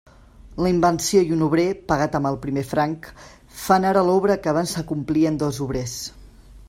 La invenció i un obrer, pagat amb el primer franc, fan ara l'obra que abans acomplien dos obrers.